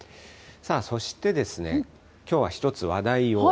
そして、きょうは１つ話題を。